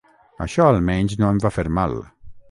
Això, almenys, no em va fer mal.